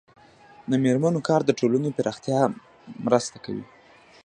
د میرمنو کار د ټولنې پراختیا مرسته کوي.